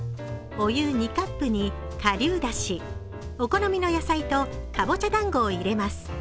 お湯２カップに顆粒だしお好みの野菜とかぼちゃだんごを入れます。